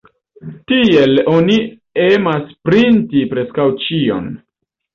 Tiel oni emas printi preskaŭ ĉion.